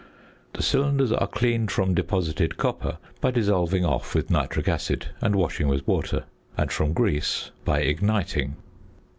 The cylinders are cleaned from deposited copper by dissolving off with nitric acid and washing with water; and from grease by igniting.